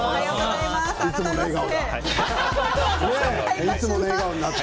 いつもの笑顔だ。